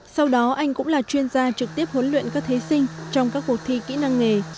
sau đó anh cũng là chuyên gia trực tiếp huấn luyện các thí sinh trong các cuộc thi kỹ năng nghề